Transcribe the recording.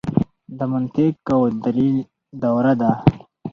د منطق او دلیل دوره ده.